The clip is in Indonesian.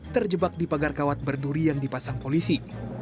terjebak di pagar kawat berduri yang dipasang polisi